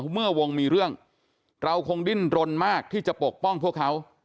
เมื่อวงมีเรื่องเราคงดิ้นรนมากที่จะปกป้องพวกเขา